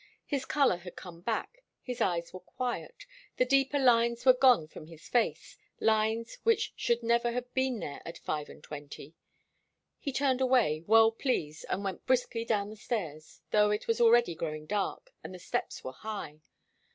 His colour had come back, his eyes were quiet, the deeper lines were gone from his face lines which should never have been there at five and twenty. He turned away, well pleased, and went briskly down the stairs, though it was already growing dark, and the steps were high.